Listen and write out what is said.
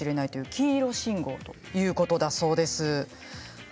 黄色信号ということだそうです。